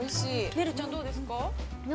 ◆ねるちゃん、どうですか。